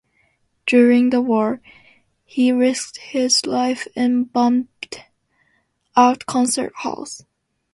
During the war, he risked his life in bombed out concert halls.